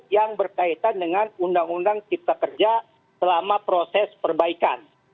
yang berkaitan dengan undang undang cipta kerja selama proses perbaikan